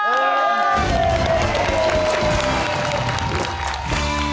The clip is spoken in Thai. สองพรหญิงเลย